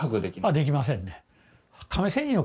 できませんね。